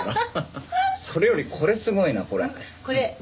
それよりこれすごいなこれ。